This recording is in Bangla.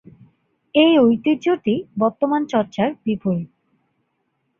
এই ঐতিহ্যটি বর্তমান চর্চার বিপরীত।